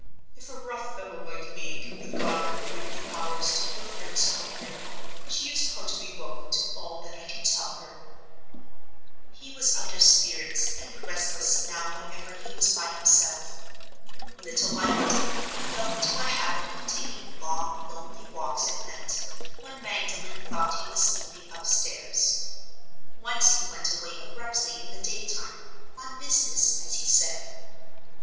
"If a rough fellow like me can beguile the weary hours till her friends come here, she is heartily welcome to all that I can tell her." He was out of spirits and restless now whenever he was by himself. Little by little he fell into a habit of taking long, lonely walks at night, when Magdalen thought he was sleeping upstairs. Once he went away abruptly in the day time—on business, as he said.